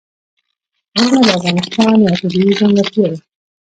غرونه د افغانستان یوه طبیعي ځانګړتیا ده.